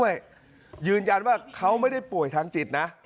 ยืนยันว่าเขาไม่ได้ป่วยทางจิตนะ